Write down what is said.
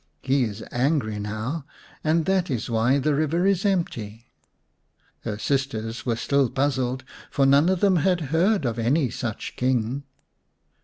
He is angry now, and that is why the river is empty." Her sisters were still puzzled, for none of them had heard of any such King.